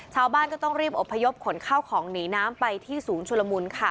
ชาวบ้านก็ต้องรีบอบพยพขนข้าวของหนีน้ำไปที่ศูนย์ชุลมุนค่ะ